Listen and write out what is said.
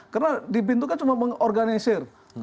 karena di bin itu kan cuma mengorganisir